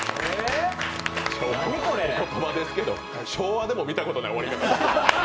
お言葉ですけど、昭和でも見たことない終わり方。